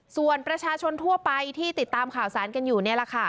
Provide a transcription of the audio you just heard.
ส่วนประชาชนทั่วไปที่ติดตามข่าวสารกันอยู่นี่แหละค่ะ